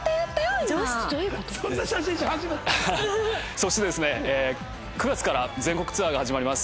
そしてですね９月から全国ツアーが始まります。